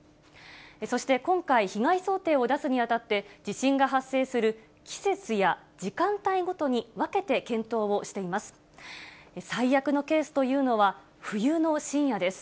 そして今回、被害想定を出すにあたって、地震が発生する季節や時間帯ごとに分けて検討をしています。